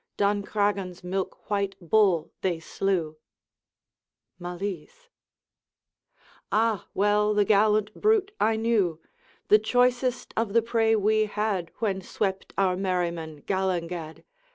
Duncraggan's milk white bull they slew,' Malise. 'Ah! well the gallant brute I knew! The choicest of the prey we had When swept our merrymen Gallangad.